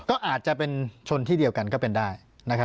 ก็อาจจะเป็นชนที่เดียวกันก็เป็นได้นะครับ